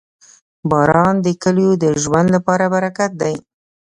• باران د کلیو د ژوند لپاره برکت دی.